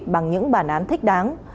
bằng những bản án thích đáng